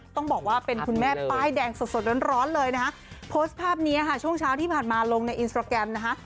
ต้องบอกว่าเป็นคุณแม่ป้ายแดงสดสดร้อนเลยนะฮะโพสต์ภาพนี้ค่ะช่วงเช้าที่ผ่านมาลงในอินสตราแกรมนะคะ